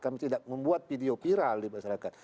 kami tidak membuat video viral di masyarakat